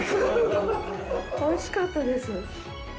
おいしかったです。